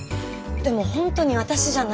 でも本当に私じゃない。